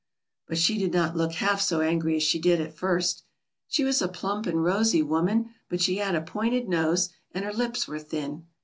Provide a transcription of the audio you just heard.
But she did not look half so angry as she did at first. She was a plump and rosy woman; but she had a pointed nose, and her lips were thin.